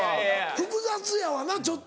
複雑やわなちょっと。